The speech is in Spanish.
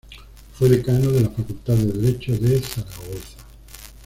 Fue decano de la facultad de Derecho de Zaragoza.